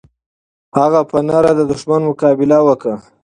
هغه په نره د دښمن مقابله وکړه.